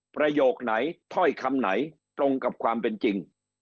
ประโยคไหนถ้อยคำไหนตรงกับความเป็นจริง